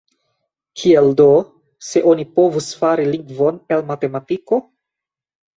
Kiel do, se oni povus fari lingvon el matematiko?